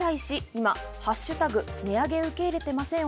値上げ受け入れてません」。